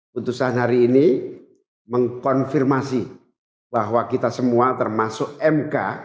putusan hari ini mengkonfirmasi bahwa kita semua termasuk mk